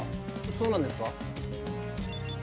そうなんですか？